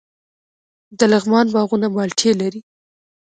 د لغمان باغونه مالټې لري.